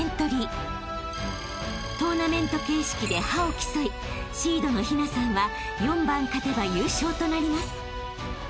［トーナメント形式で覇を競いシードの陽奈さんは４番勝てば優勝となります］